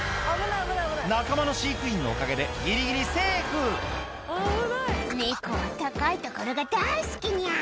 仲間の飼育員のおかげでギリギリセーフ「猫は高い所が大好きニャ」